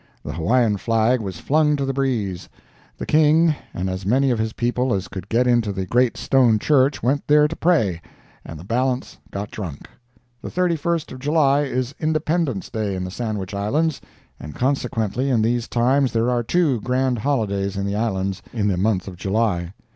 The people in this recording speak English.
The Hawaiian flag was flung to the breeze. The King and as many of his people as could get into the Great Stone Church went there to pray, and the balance got drunk. The 31st of July is Independence Day in the Sandwich Islands, and consequently in these times there are two grand holidays in the Islands in the month of July.